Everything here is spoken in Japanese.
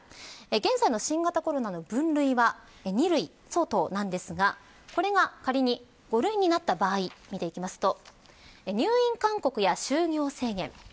現在の新型コロナの分類は２類相当なんですがこれが仮に５類になった場合見ていきますと。